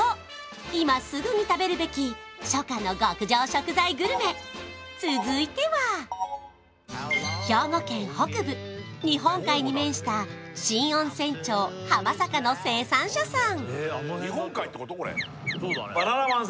今すぐに食べるべき初夏の極上食材グルメ続いては兵庫県北部日本海に面した新温泉町浜坂の生産者さん